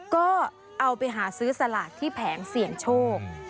ก็เอาไปหาซื้อสลากที่แผงเสี่ยงโชค